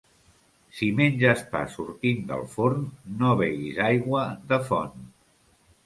Si menges pa sortint del forn no beguis aigua de font.